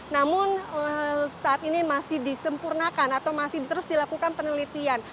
namun saat ini masih disempurnakan atau masih terus dilakukan penelitian